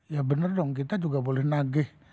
ya bener dong kita juga boleh nagih